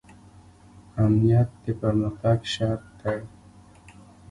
امنیت د پرمختګ شرط دی